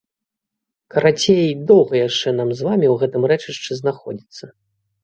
Карацей, доўга яшчэ нам з вамі ў гэтым рэчышчы знаходзіцца!